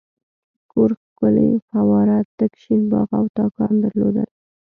کور ښکلې فواره تک شین باغ او تاکان درلودل.